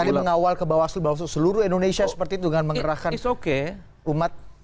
kalau tadi mengawal ke bawah seluruh indonesia seperti itu dengan mengerahkan umat